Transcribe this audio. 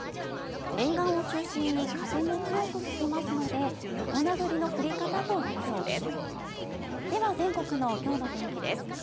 沿岸を中心に風も強く吹きますので横なぐりの降り方となりそうです。